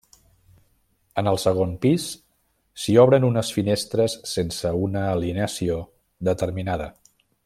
En el segon pis s'hi obren unes finestres sense una alineació determinada.